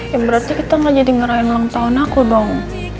ya berarti kita gak jadi ngerahin ulang tahun aku dong